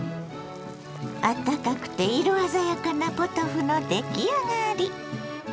あったかくて色鮮やかなポトフの出来上がり。